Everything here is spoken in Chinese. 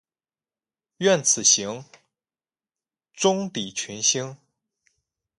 愿此行，终抵群星。